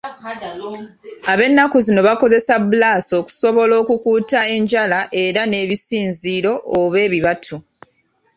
Ab'ennaku zino bakozesa bbulaasi okusobola okukuuta enjala era n'ebisinziiro oba ebibatu.